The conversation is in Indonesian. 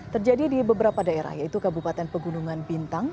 terjadi di beberapa daerah yaitu kabupaten pegunungan bintang